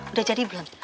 udah jadi belum